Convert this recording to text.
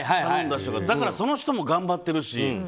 だからその人も頑張ってるし。